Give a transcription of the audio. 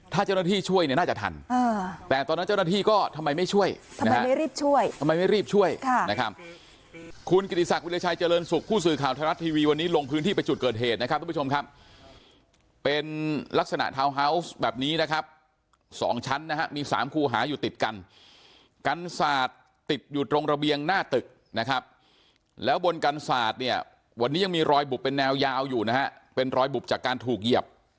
ถ้าเจ้าหน้าที่ช่วยเนี่ยน่าจะทันแต่ตอนนั้นเจ้าหน้าที่ก็ทำไมไม่ช่วย